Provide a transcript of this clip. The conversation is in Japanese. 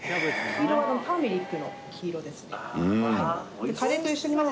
黄色はターメリックの黄色ですね